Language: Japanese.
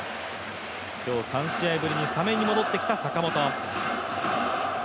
今日３試合ぶりにスタメンに戻ってきた坂本。